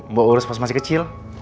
mbak urus pas masih kecil